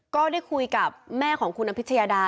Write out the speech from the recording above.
ก็ได้คุยกับแม่ของคุณอภิชยาดา